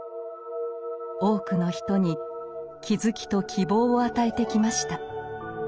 多くの人に気付きと希望を与えてきました。